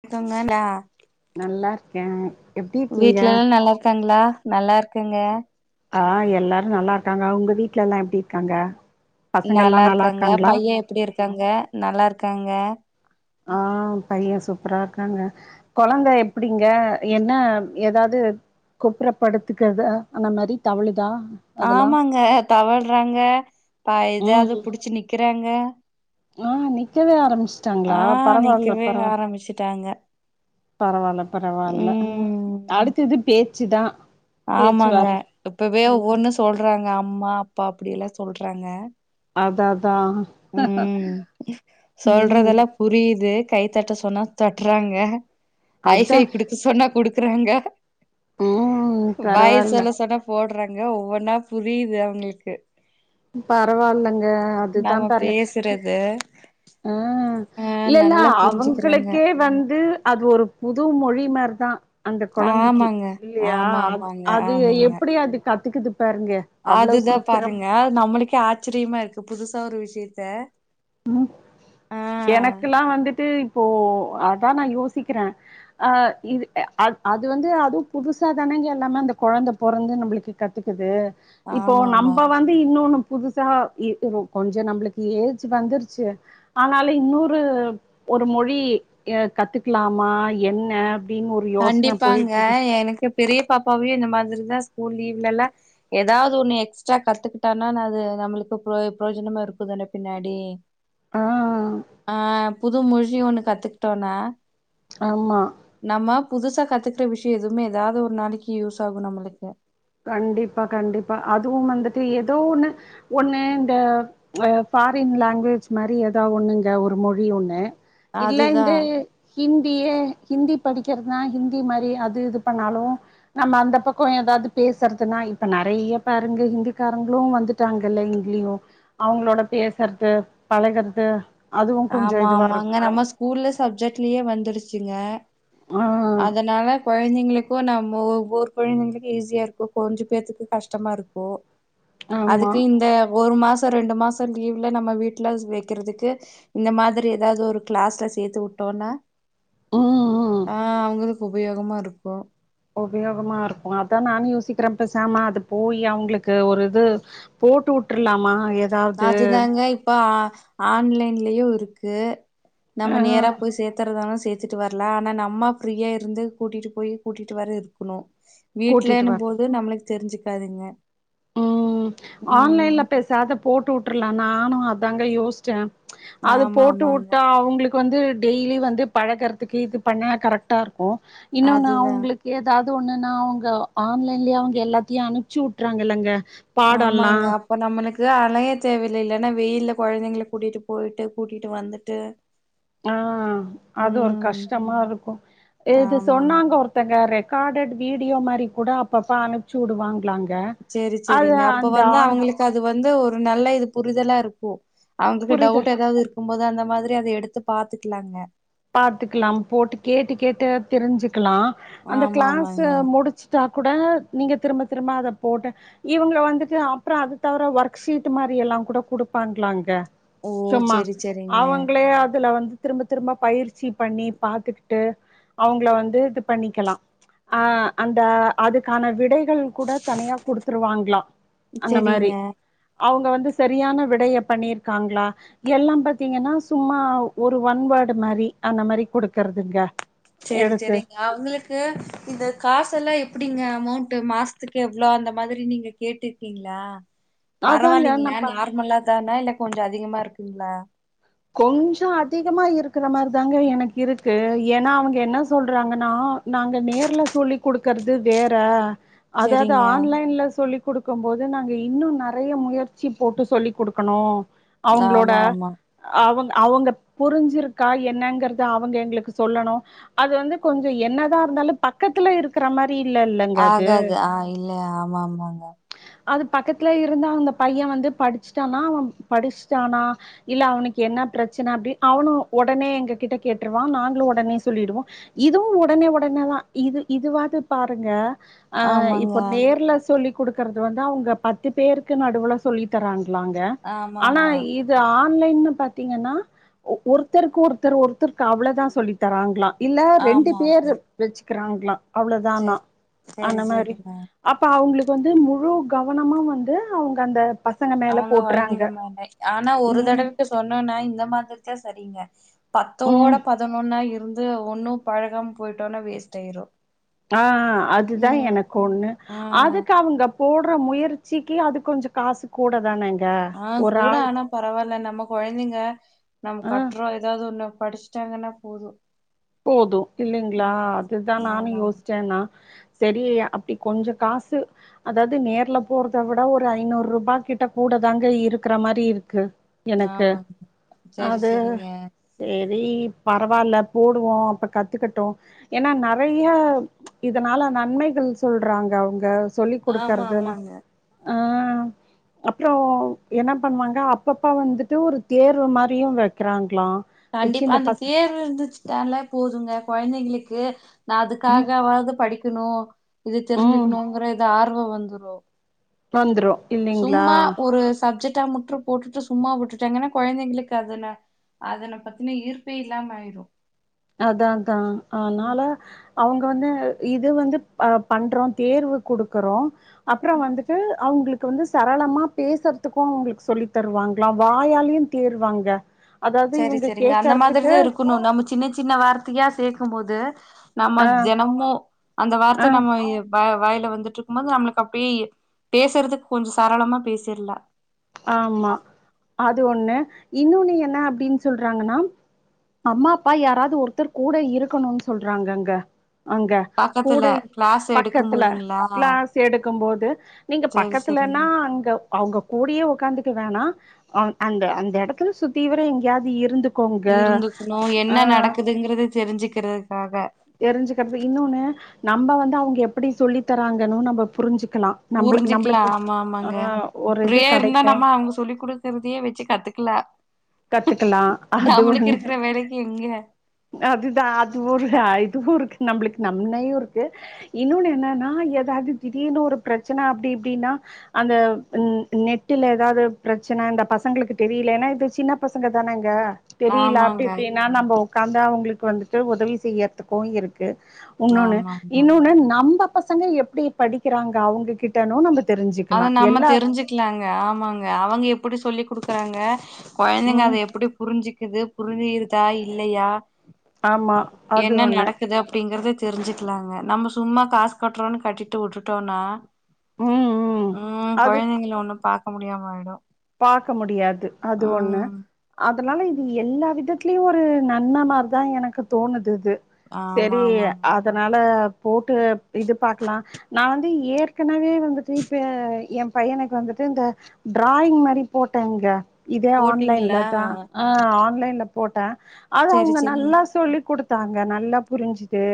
இருக்கங்களா நல்லா இருக்கே எப்டி இருக்கீங்க வீட்டலல்லா நல்லாருக்காங்ளா நல்லா இருக்குங்க ஆ எல்லாரு நல்லாருக்காங்க உங்க வீட்ல எல்லா எப்டி இருக்காங்க பசங்கள்லா நல்லா இருக்காங்க இருக்காங்களா பைய எப்டி இருக்காங்க நல்லாருக்காங்க ஆ பைய சூப்பரா இருக்காங்க கொழந்த எப்டிங்க என்ன எதாது குப்புற படுத்துக்குதா அந்த மாரி தவழுதா அதெல்லா ஆமாங்க தவழ்றாங்க ப எதாது ம் புடுச்சு நிக்கிறாங்க ஆ நிக்கவே ஆரம்பிச் ஆ ச்சாங்ளா பரவால்ல நிக்கவே பரவா ஆரம்பிச்சுட்டாங்க பரவால பரவால ம் அடுத்தது பேச்சுதா பேச்சு ஆமாங்க வார் இப்பவே ம் ஒன்னு சொல்றாங்க அம்மா அப்பா அப்டியெல்லா சொல்றாங்க அதா அதா ம் புரியிது கைத்தட்ட சொன்னா தட்றாங்க ஐ அதா ஃபைவ் குடுக் சொன்னா குடுக்குறாங்க ம் பாய் பரவால்ல சொல்ல சொன்னா போட்றாங்க ஒவ்வொன்னா புரியுது அவுங்களுக்கு பரவாயில்லங்க அதுதா பாருங்க பிறகு ம் இல்லல்ல புரிஞ்சுக்கிறாங்க அவங்களுக்கே வந்து அது ஒரு புது மொழிமார்தா ஆமாங்க ஆமா ஆமாங்க அது ஆமாங்க எப்டி அது கத்துக்குது பாருங்க அவ்ளோ அதுதா சீக்கிரம் பாருங்க நம்ளுக்கே ஆச்சிரியமா இருக்கு புதுசா ஒரு விஷயத்த ம் ஆ எனக்கெல்லா வந்துட்டு இப்போ அதா நா யோசிக்கிற ஆ இது அ அது வந்து அது புதுசா தானங்க எல்லாமே அந்த கொழந்த பொறந்து நம்பளுக்கு கத்துக்குது இப்போ ஆமா ஆமா நம்ப வந் தி இன்னொன்னு புதுசா இ உ கொஞ்ச நம்ளுக்கு ஏஜி வந்துருச்சு ஆனாலு இன்னூரு ஒரு மொழி எ கத்துக்லாமா என்ன அப்டின்னு ஒரு யோசன கண்டிப்பாங்க போயிட்ருக்கு. எனக்கு பெரிய பாப்பாவே இந்த மாதிரிதா ஸ்கூல் லீவ்லெல்லா எதாது ஒன்னு எக்ஸ்ட்ரா கத்துக்கிட்டானா அது நம்மளுக்கு புரோ புரோஜனமா இருக்குந்தான பின்னாடி ஆ ஆ புது மொழி ஒன்னு கத்துக்கிட்டோனா ஆமா நம்ம புதுசா கத்துக்கிட்ட விஷ்யோ எதுமே எதாது ஒரு நாளைக்கு யூஸ் ஆகு நம்மளுக்கு கண்டிப்பா கண்டிப்பா அதுவும் வந்துட்டு ஏதோ ஒன்னு ஒன்னு இந்த அ ஃபாரின் லாங்வேஜ் மாரி எதாவொன்னு இங்க ஒரு மொழி ஒன்னு அதுதா இல்லேண்டு ஹிந்தியே ஹிந்தி படிக்கற்தா ஹிந்தி மாரியே அது இது பண்ணாலு நம்ம அந்த பக்கோ எதாது பேசறதுன்னா இப்ப நெறைய பாருங்க ஹிந்திக்காரங்களு வந்துட்டாங்கல்ல இங்கயு அவங்களோட பேசற்து பழகற்து அதுவு கொஞ்சோ இதுவா இருக்கு உள்ள சப்ஜெக்ட்லியே வந்துருச்சுங்க ஆ அதனால கொழந்தைங்களுக் கு நம்மோ ஒவ்வொரு கொழந்தைங்களுக்கு ஈஸியா இருக்கு கொஞ்ச பேத்துக்கு கஷ்டமா இருக்கு ஆமா அதுக்கு இந்த ஒரு மாச ரெண்டு மாச டீவ்ல நம்ம வீட்லஸ் வெக்கறதுக்கு இந்த மாதிரி ஏதாவது ஒரு கிளாஸ்ல சேர்த்து உட்டோனா ம் ம் ஆ அவுங்ளுக் உபயோகமா இருக்கு உபயோகமா இருக்கு அதா நானு யோசிக்கிற பேசாம அது போயி அவுங்ளுக்கு ஒரு இது போட்டு உட்ரலாமா எ அதுதாங்க இப்ப ஆ ஆன்லைன்லயு இருக்கு, ஆ நம்ம நேரா போய் சேத் சுத்தரதானு சேர்த்துட்டு வர்ல ஆனா நம்ம ஃப்ரீயா இருந்து கூட்டிட்டு போய் கூட்டிட்டு வர இருக்ணு கூட்டிட்டு வீட்லன்னும் வர போது நம்ளுக் தெரிஞ்சுக்காதுங்க ம் ம் ஆன்லைன்ல பேசாத போட்டூட்டர்லா நானு அதாங்க யோஸ்ச்ச அது ஆமா போட்டு ஆமாங்க. உட்டா அவுங்ளுக் க்கு வந்து டெய்லி வந்து பழகறதுக்கு இது பண்ண கரெக்ட்டா இருக்கு இன்னொன்னு அதுதான். அவங்களுக்கு, ஏதாவது ஒண்ணுன்னா அவுங்க ஆன்லைன்லே அவுங்க எல்லாத்தியு அனுப்ச்சு உட்றாங்க இல்லங்க ஆமாங்க அப் இப்ப நம்மளுக்கு அலைய தேவயில்லைல ஏன்னா வெயில் கொழந்தைங்கள கூடிட்டு போய்ட்டு கூடிட்டு வந்துட்டு ஆ அது ஒரு ம். கஷ்டமா இருக்கு. இது ஆமாமா. சொன்னாங்க ஒரு, இல்லங்க ரெக்கார்டு வீடியோ மாரி கூட அப்பப்ப அனுப்பிச்சு உடுவாங்க்லாங் த அது அந்த ஆன் சோ அது வந்து ஒரு நல்ல இது புரிதலா இருக்கு அவுங்ளுக்கு புரியுது டவுட் ஏதாவது இருக் க்கும் போது அந்த மாதிரி அத எடுத்து பாத்துக்லாங்க பாத்துக்கலாம் போட்டு கேட்டு கேட்டு தெரிஞ்சுக்கலா. அந்த கிளாஸ்ஸு ஆமாமாங்க. முடிச்சு. தா கூட நீங்க திரும்ப, திரும்ப அத போட்ட இவுங்கள வந்துட்டு அப்றோ அது தவிர ஒர்க்சீட் மாரி எல்லா கூட குடுப்பாங்ளாங்க ஓ! சும்மா, சரி, சரிங்க. அவங்களே அதுல வந்து திரும்ப, திரும்ப. பயிற்சி பண்ணி பாத்துக்குட்டு அவங்கள வந்து இது பண்ணிக்கலா அ அந்த அதுக்கான விடைகள் கூட தனியா குடுத்துருவாங்ளா அந்த மாரி சரிங்க. அவுங்க வந்து சரியான விடைய பண்ணிருக்காங்ளா எல்லாம் பாத்தீங்கன்னா சும்மா ஒரு ஒன் வேர்டு மாரி அந்த மாரி குடுக்கறதுங்க சேரி எடுத்து சேரி அவுங்ளுக்கு இந்த காசெல்லா எப்டிங்க அமௌண்ட்டு மாஸ்த்துக்கு எவ்ளோ அந்த மாதிரி நீங்க கேட்டு கிங்களா அதாங்க நம்ம பரவால்லிங்ளா நார்மலா தானா, இல்ல கொஞ்சோ அதிகமா இருக்குங்ளா. கொஞ்சோ அதிகமா இருக்குற மார் தாங்க எனக்கு இருக்கு ஏன்னா அவுங்க என்ன சொல்றாங்கன்னா நாங்க நேர்ல சொல்லி் குடுக்கறது வேற அதாவது செரிங்க ஆன்லைன்ல சொல்லி குடுக்கும் போது நாங்க இன்னு நறைய முயற்சி போட்டு சொல்லி குடுக்கணு அவுங்ளோட ஆமா ஆமா அவுங்க அவுங்க புரிஞ்சிருக்கா என்னங்கறத அவுங்க எங்களுக்கு சொல்லணு அது வந்து கொஞ்ச என்னதா இருந்தாலு பக்கத்துல இருக்கிற மார் தி இல்லல்ல ஆகது ஆ இல்ல ஆமா ஆமாங்க அது பக்கத்துல இருந்த அந்த பையன் வந்து படிச்ட்டானா அவன் படிச்ட்டானா இல்ல அவுனுக்கு என்ன பிரச்சன அப்டி அவனு உடனே எங்க கிட்ட கேட்ருவான் நாங்ளு உடனே சொல்லிடுவோ இதுவு உடனே உடனேதா இது இதுவாது பாருங்க அ ஆமாங்க இப்போ நேர்ல சொல்லி் குடுக்கறது வந்து அவுங்க பத்து பேருக்கு நடுவுல சொல்லி தராங்களாங்க, ஆமா அனா ஆமா இது ஆ ஆன்லைன்னு பாத்திங்கன்னாஒ ஒருத்தருக்கு ஒருத்தர் ஒருத்தருக்கு அவ்ளதா சொல்லி. தராங்ளா இல்ல ரெண்டு ஆமா பேரு ஆமா வச்சுக்கிறாங்ளா அவ்ளோதானா செரி செரி அந்த மாரி செரிங்க அப்ப, அவுங்களுக்கு வந்து முழு கவனமா வந்து அவங்க, அந்த பசங்க மேல அவங்க போட்டுறாங்க. கொழந்தைங்க மேல ஆனா ஒரு தடவுக் சொன்னோன்னா இந்த மாதிரி தா சரிங்க பத்தோட ம் பதனொன்னா இருந் து ஒன்னும் பழகாம போயிட்டோனா வேஸ்ட் ஆயிரு ஆ அதுதா ம் எனக்கு ஒன்னு ஆ அதுக்கு அவங்க போட்ற முயற்சிக்கு அது கொஞ்ச காஸ் கூட தான அங்க ஆ கூட ஆனா பரவாயில்ல நம்ம கொழந்தைங்க நம்ம ஆ கட்றோ ஏதாவது ஒன்னு படிச்சுட்டாங்கன்னா போதும் போது இல்லைங்களா அதுதா நானும் ஆமா யோசிச்சேன்னா சரிய்யா அப்படி கொஞ்சோ காசு அதாவது நேர்ல போறத விட ஒரு ஐநூறு ரூபா கிட்ட கூட தாங்க இருக்கற மாரி இருக்கு எனக்கு ஆமா செரி செரிங்க செரி பரவாயில்ல போடுவோ அப்ப கத்துக்கட்டோ ஏன்னா நறைய இதனால நன்மைகள் சொல்றாங்க அவங்க சொல்லிக் ஆமா குடுக்கர்து ஆமாங்க அப்புற என்ன பண்ணுவாங்க அப்பப்ப வந்துட்டு ஒரு தேர்வு மாரியு வைக்றாங்களா கண்டிப்பா அந்த தேர்வு எந்துச்சுட்டாலே போதுங்க கொழந்தைகளுக்கு நா அதுக்காகவாது படிக்கணு இது ம் தெரிஞ்சுக்கணுங்கிற இது ஆர்வ வந்துரு வந்துரு இல்லைங்களா சும்மா ஒரு சப்ஜெக்ட்டா முற்று போட்டுட்டு சும்மா விட்டுட்டாங்கன்னா கொழந்தைங்களுக்கு அதுல அதன பத்துன ஈர்ப்பே இல்லாம ஆயிரு அதாதா அதனால ம் அவங்க வந்து இது வந்து பண்றோ தேர்வு குடுக்குறோ அப்புற வந்துட்டு அவங்களுக்கு வந்து சரளமா பேசுறதுக்கும் அவங்களுக்கு சொல்லி தருவாங்களாம் வாயாலயும் தேருவாங்க சரி சரிங்க அந்த மாதிரிதா இருக்கணோ நமிச் சின்ன சின்ன வார்த்தையா சேர்க்கும் போது நம்ம ஆ தெனமு அந்த ஆ வார்த்த நம்ம அ வாயல வந்துட்டு இருக்கும் போது நம்மளுக்கு அப்டியே பேசுறதுக்கு கொஞ்சே சரளமா பேசிட்லா ஆமா அது ஒன்னு இன்னொன்னு என்ன அப்டின் சொல்றாங்கன்னா அம்மா அப்பா யாராவது ஒருத்தர் கூட இருக்கணும்னு சொல்றாங்கங்க அங்க பக்கத்துல கூடை கிளாஸ் எடுக்கும் பக்கத்துல போதுங்களா க்ளாஸ் எடுக்கும் போது நீங்க சேரி பக்கத்துலனா சேரிங்க அங்க அவங்க கூடியே உக்காந்துக்க வேணா அந்த அந்த எடத்துல சுத்தீவர எங்கேயாவது இருந்து இருந்துக்கணு என்ன நடக்குதுங்கறத தெரிஞ்சுக்கிறதுக்காக தெரிஞ்சுக்கிறது இன்னோன்னு நம்ம வந்து அவங்க எப்படி சொல்லி தராங்கன்னு நம்ம புரிஞ்சுக்கலா நம்ப புரிஞ்சுக்கலா நம்மளுக்கு ஆமா ஆ ஆமாங்க ஒரு இது இப்ரியே இருந்தா கெடைக்கு நம்ம அவங்க சொல்லி குடுத் கருதியே வச்சு கத்துக்கல கத்துக்கலா அது ஒன்னு வேலைக்கு எங்க அதுதா அதுவு இதுவு இருக்கு நம்மளுக்கு நம்மையு இருக்கு இன்னோன்னு என்னன்னா எதாவது திடீர்னு ஒரு பிரச்சனை அப்டி இப்டின்னா அந்த நெட்டுல எதாவது பிரச்சனை இந்த பசங்களுக்கு தெரியலன்னா இது சின்ன பசங்க தானேங்க தெரியல அப்டி ஆமாங்க இப்டின்னா நம்ம உக்காந்தா அவங்களுக்கு வந்துட்டு உதவி செய்யறதுக்கும் இருக்கு உன்னொன்னு ஆமா ஆமா இன்னொன்னு நம்ம பசங்க எப்படி படிக்கிறாங்க அவங்ககிட்டோன்னு நம்ம தெரிஞ்சுக் அத நம்ம தெரிஞ்சுக்கலாங்க ஆமாங்க அவங்க எப்படி சொல்லி குடுக்குறாங்க கொழந்தைங்க அத ம் எப்படி புரிஞ்சுக்குது புரிஞ்சிருதா இல்லையா ஆமா அது என்ன ஒண்ணு நடக்குது அப்டிங்கறதே தெரிஞ்சுக்கலாங்க நம்ம சும்மா காஸ் கட்றோன்னு கட்டிட்டு வுட்டுட்டோனா ம் உம் உம் கொழந்தைங்கள ஒண்ணூ பாக்க முடியாமாயிடும் பாக்க முடியாது அது ஒன்னு அதுனால இது எல்லா விதத்துலேயு ஒரு நன்ன நாரூ தா எனக்கு தோணுது இது ஆமா, செரி ஆமாங்க. அதனால போட்டு இது பாக்கலா நா வந்து ஏற்கனவே வந்துட்டு இப்ப எ பையனுக்கு வந்துங்க இந்த டிராயிங் மாரி போட்டெங்க இதே ஆன்லைன்ல போட்டீங்களா? தா ஆ ஆன்லைன்ல போட்ட அது சரி, அவுங்க சரிங்க. நல்லா சொல்லிக் குடு தாங்க நல்லா புரிஞ்சுது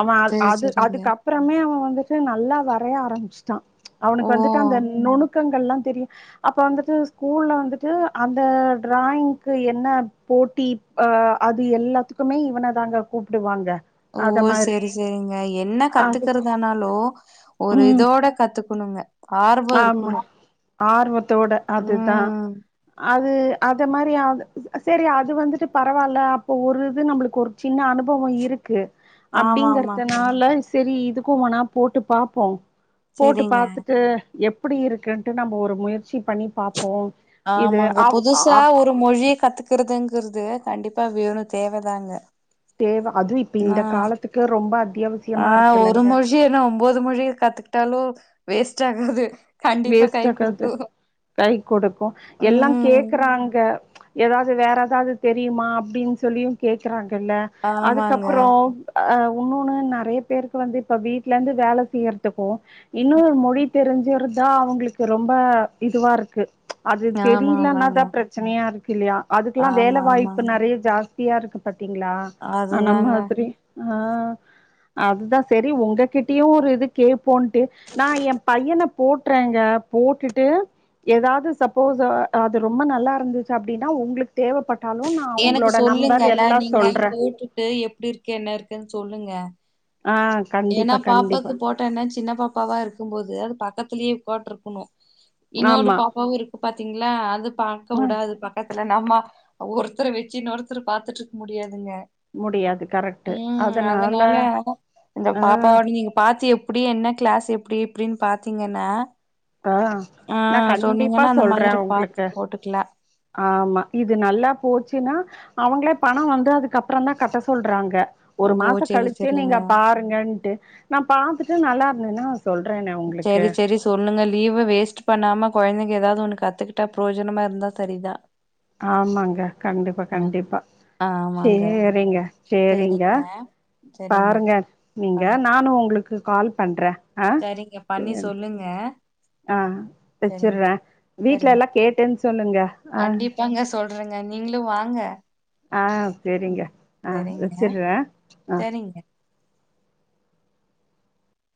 அவா அது சரி, அது சரிங்க. அதுக்கப் ப்றமே அவே வந்துட்டு நல்லா வரைய ஆரமிஸ்ட்டா ஓ! அவனுக்கு வந்துட்டு அந்த நுணு க்கங்கள்லா தெரியு அப்ப வந்து து ஸ்கூல்ல வந்துட்டு அந்த ட்ராயிங்க்கு என்ன போட்டி அ அது எல்லாத்துக்குமே இவன தாங்க கூப்டுவாங்க ஓ அத மாரி செரி செரிங்க என்ன அதுக்கு கத்துகிறது ஆனா ஹலோ ஒரு ம் இதோட கத்துக்கணுங்க ஆர்வம் ஆமா இருக்கணும். ஆர்வத்தோட அதுதா ம். அ ம் அத மாரி ஆ சரி அது வந்துட்டு பரவால்ல அப்ப ஒரு இது நம்பொள்க்கு ஒரு சின்ன அனுபவ இருக் கு ஆமா, ஆமாங்க. அப்டிங்கறதுனால செரி இதுக்கு வானா போட்டு பாப்போ போட்டு சரிங்க. பாத்துட்டு எப்பிடி இருக்குன்ட்டு நம்ம ஒரு முயற்சி பண்ணி பாப்போ இது ஆமாங்க அவ் புதுசா அ ஒரு மொழிய கத்துக்கறதுங்கறது கண்டிப்பா வேணு தேவதாங்க தேவ அதும் இப்ப ஆ. இந்த காலத்துக்கு ரொம்ப அத்தியாவ ஆ ஒரு மொழி என்னா ஒம்போது மொழிய கத்துக்குட்டாலு வேஸ்ட் ஆகாது கண்டிப்பா வேஸ்ட் கை ஆகாது குடுக்கும். கை கொடுக்கூ எல்லா ம் கேக்குறாங்க எதாவ்து வேற எதாவ்து தெரியுமா அப்டின்னு சொல்லியு கேக்குறாங்கல்ல ஆமாங்க அதுக்கப்புறோ அ இன்னொன்னு நெறைய பேருக்கு வந்து இப்ப வீட்டுல இருந்து வேல செய்யுறதுக்கு இன்னொரு மொழி தெரிஞ்சிருந்தா அவங்களுக்கு ரொம்ப இதுவா இருக்கு அது ஆமா தெரியிலன்னா ஆமாங்க தா ப்ர ச்சனையா இருக்கு இல்லையா அதுக்குலா வேலை ஆமா வாய்ப்பு ஆமாங்க நெறைய ஜாஸ்தியா இருக்கு பாத்தீங்களா அன அதுதாங்க மாதிரி ஆ அதுதா சரி ஒங்ககிட்டயு ஒரு இது கேப்போன்ட்டு நா ஏ பையன போட்றேங்க போட்டுட்டு ஏதாது சப்போஸ அது ரொம்ப நல்லா இருந்துச்சு அப்டின்னா உங்களு தேவப்பட்டாலு நா அவங்களோட நம்பர் எல்லா சொல்ற ட்டு எப்டி இருக்கு என்ன இருக்குன் சொல்லுங்க ஆ ஏனா கண்டிப்பா கண்டிப்பா பாப்பாக்கு போட் ட்டன்னா சின்ன பாப்பாவா இருக்கும்போது அது பக்கத்துலயே உக்காந்து இருக்கணு இன்னொரு ஆமா பாப்பாவு இரு கு பாத்தீங்களா அது பாக்க ஆ உடாது பக்கத்துல நம்மா ஒவ்வொருத்தர வெச்சி இன்னொருத்தர பாத்துட்ருக்க முடியாதுங்க முடியாது கரெக்ட் ம் அதனால அத இந்த ஆ பாப்பாவோட நீங்க பாத்து எப்டி என்ன கிளாஸ் எப்டி இப்டின்னு பாத்தீங்கன்னா டா ஆ நா கண்டிப்பா சொன்னீங்கன்னா அந்த சொல்ற மாதிரி பாத்து உங்களுக்கு போட்டுக்கலா ஆமா இது நல்லா போச்சுன்னா அவங்களே பண வந்து அதுக்கப்றந்தா கட்ட சொல்றாங்க ஒரு ஓ மாசோ செரி கழிச்சு செரிங்க நீங்க பாரு ங்கட்டு நா பாத்துட்டு நல்லா இருந்தேன்னா சொல்றேனா செரி செரி சொல்லுங்க லீவ வேஸ்ட்டு பண்ணாம கொழந்தைங்க ஏதாவ்து ஒண்ணு கத்துக்கிட்டா ப்ரோஜனமா இருந்தா சரிதா ஆமாங்க கண்டிப்பா ஆ கண்டிப்பா ஆமாங்க சேரிங்க சேரிங்க செரிங்க செரிங்க பாருங்க நீங்க பாருங்க நானு உங்களுக்கு கால் பண்ற சரிங்க பண்ணி சொல்லுங்க ஆ சரிங்க வெச்சுறே வீட்ல சரிங்க எல்லா கேட்டேன்னு சொல்லுங்க ஆ சொல்றங்க நீங்களு வாங்க ஆ சேரிங்க, ம் ஆ சரிங்க வச்சிட்றே ஆ சரிங்க